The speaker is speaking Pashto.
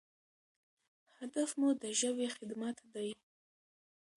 هدف مو د ژبې خدمت دی.